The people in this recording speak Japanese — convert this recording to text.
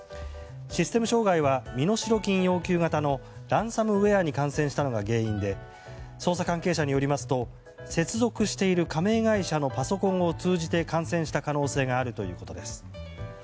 システム障害は身代金要求型のランサムウェアに感染したのが原因で捜査関係者によりますと接続している加盟会社のパソコンを通じて感染した可能性があるということです。